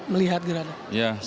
bagaimana panduannya nih pak